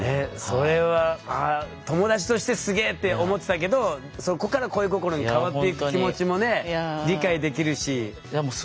それは友達としてすげえって思ってたけどそこから恋心に変わっていく気持ちもね理解できるし。